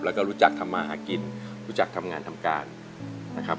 แล้วก็รู้จักทำมาหากินรู้จักทำงานทำการนะครับ